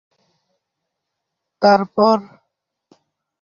এ সিদ্ধান্তে অনেকেই বিস্মিত হয়েছিলেন ও দ্বি-মত পোষণ করেন।